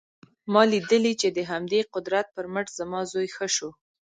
ما لیدلي چې د همدې قدرت پر مټ زما زوی ښه شو